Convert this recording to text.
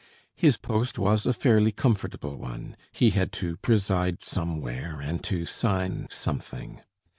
His post was a fairly comfortable one: he had to preside somewhere and to sign something.